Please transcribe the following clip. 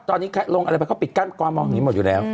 ตอนนี้ลงอะไรไปเขาปิดการมองเห็นหมดอยู่แล้ว